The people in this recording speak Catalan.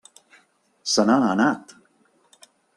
Se n'ha anat.